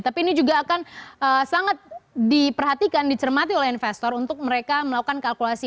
tapi ini juga akan sangat diperhatikan dicermati oleh investor untuk mereka melakukan kalkulasi